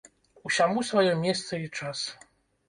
Усяму сваё месца і час.